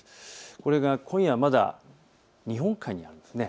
これが今夜はまだ日本海にあるんです。